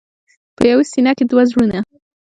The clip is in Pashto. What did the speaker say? په یوه سینه کې دوه زړونه.